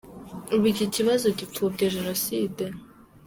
Ubu iki kibazo gipfobya jenoside ?